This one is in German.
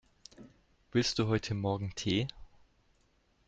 Willst du heute morgen Tee?